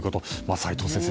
齋藤先生